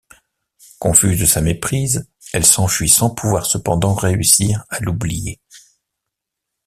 Confuse de sa méprise elle s'enfuit sans pouvoir cependant réussir à l'oublier.